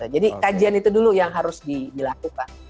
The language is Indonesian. jadi kajian itu dulu yang harus dilakukan